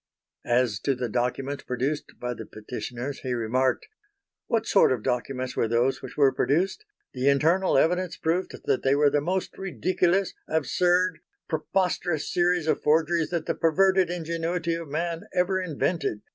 As to the documents produced by the Petitioners he remarked: "What sort of documents were those which were produced? The internal evidence proved that they were the most ridiculous, absurd, preposterous series of forgeries that the perverted ingenuity of man ever invented